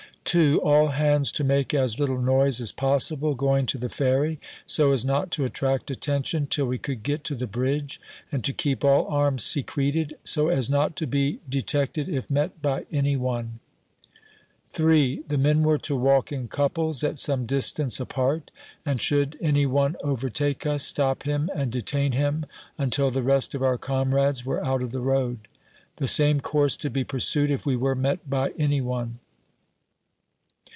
2. All hands to make as little noise as possible going to the Ferry, so as not to attract attention till we could get to the bridge ; and to keep all arms secreted, so as not to be detected if met by any one. 3. The men were to walk in couples, at some distance apart ; and should any one overtake us, stop him and detain him until the rest of our comrades were out of the road. The same course to be pursued if we were met by any one.